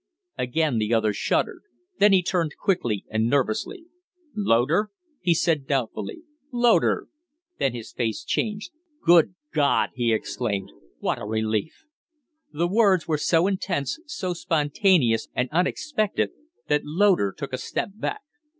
Again the other shuddered; then he turned quickly and nervously. "Loder?" he said, doubtfully. "Loder?" Then his face changed. "Good God!" he exclaimed, "what a relief!" The words were so intense, so spontaneous and unexpected, that Loder took a step back.